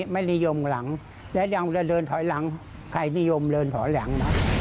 ไม่นิยมหลังและยังเวลาเดินถอยหลังใครนิยมเดินถอยหลังนะ